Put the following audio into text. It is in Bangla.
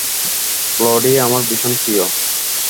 ক্লডিয়া আমার ভীষণ প্রিয়।